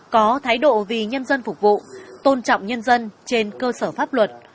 có thái độ vì nhân dân phục vụ tôn trọng nhân dân trên cơ sở pháp luật